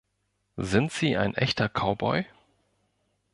Sind Sie ein echter Cowboy?